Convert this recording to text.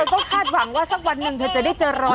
ผมก็คาดหวังว่าสักวันหนึ่งเธอจะได้เจอรอยอะไรแบบนี้